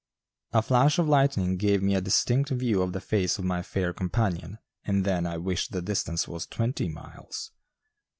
A flash of lightning gave me a distinct view of the face of my fair companion and then I wished the distance was twenty miles.